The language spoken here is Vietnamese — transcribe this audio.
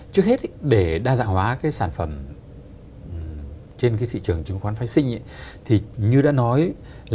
trước hết để đa dạng hóa cái sản phẩm trên cái thị trường chứng khoán phái sinh thì như đã nói là